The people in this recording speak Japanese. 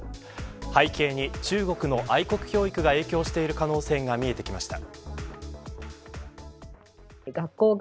背景に、中国の愛国教育が影響している可能性が見えてきました。